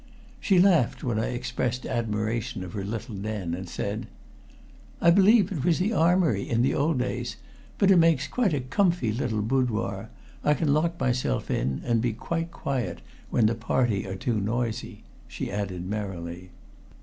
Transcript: She laughed when I expressed admiration of her little den, and said "I believe it was the armory in the old days. But it makes quite a comfy little boudoir. I can lock myself in and be quite quiet when the party are too noisy," she added merrily.